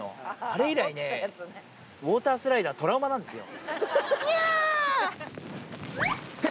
あれ以来ね、ウォータースライダー、トラウマなんですよ。